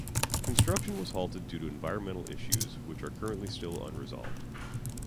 Construction was halted due to environmental issues, which are currently still unresolved.